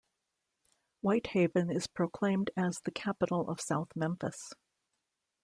Whitehaven is proclaimed as the capital of South Memphis.